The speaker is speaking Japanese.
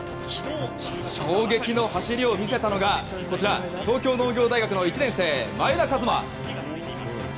衝撃の走りを見せたのが東京農業大学の１年生前田和摩。